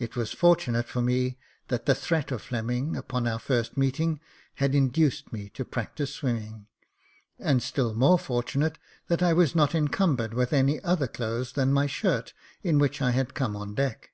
It was fortunate for me that the threat of Fleming, upon our first meeting, had induced me to practise swimming, and still more fortunate that I was not encumbered with any other clothes than my shirt, in which I had come on deck.